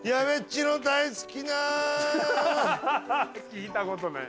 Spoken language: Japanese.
聞いたことない。